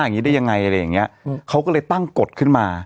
อย่างนี้ได้ยังไงอะไรอย่างเงี้ยเขาก็เลยตั้งกฎขึ้นมา